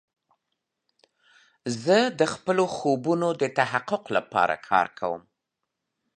زه د خپلو خوبونو د تحقق لپاره کار کوم.